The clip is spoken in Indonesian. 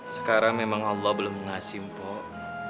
sekarang memang allah belum ngasih mpok